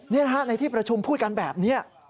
นี่นะคะในที่ประชุมพูดกันแบบนี้